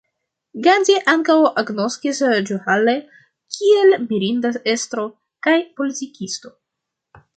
Gandhi ankaŭ agnoskis Goĥale kiel mirinda estro kaj politikisto.